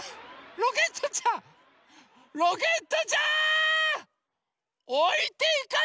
ロケットちゃん。